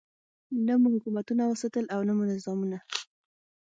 نه مو حکومتونه وساتل او نه مو نظامونه.